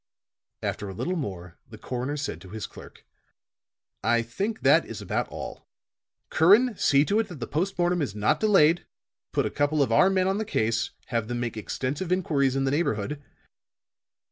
After a little more, the coroner said to his clerk: "I think that is about all. Curran, see to it that the post mortem is not delayed. Put a couple of our men on the case, have them make extensive inquiries in the neighborhood.